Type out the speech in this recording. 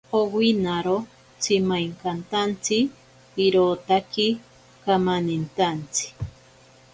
Owinaro tsimainkatantsi irotaki kamanintantsi.